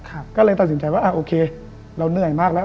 ก็เลยตัดสินใจว่าอ่าโอเคเราเหนื่อยมากแล้ว